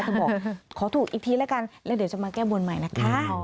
บอกขอถูกอีกทีแล้วกันแล้วเดี๋ยวจะมาแก้บนใหม่นะคะ